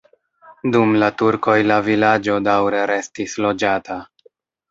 Dum la turkoj la vilaĝo daŭre restis loĝata.